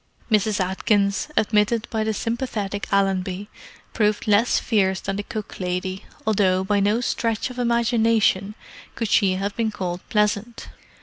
Mrs. Atkins, admitted by the sympathetic Allenby, proved less fierce than the cook lady, although by no stretch of imagination could she have been called pleasant.